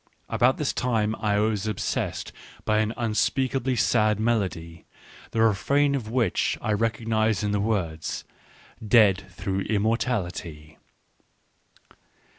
About this time I was obsessed by an un speakably sad melody ^ the refrain of which I recognised in the affords, " dead through immor tality